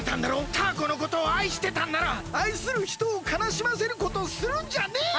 タアコのことをあいしてたんならあいするひとをかなしませることをするんじゃねえよ！